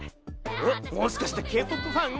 おっもしかしてＫ−ＰＯＰファン？